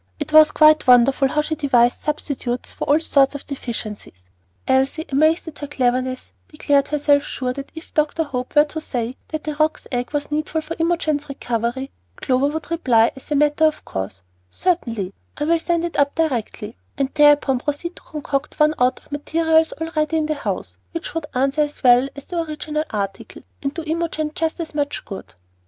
It was quite wonderful how she devised substitutes for all sorts of deficiencies. Elsie, amazed at her cleverness, declared herself sure that if Dr. Hope were to say that a roc's egg was needful for Imogen's recovery, Clover would reply, as a matter of course, "Certainly, I will send it up directly," and thereupon proceed to concoct one out of materials already in the house, which would answer as well as the original article and do Imogen just as much good.